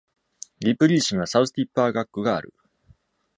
リプリー市にはサウスティッパー学区がある。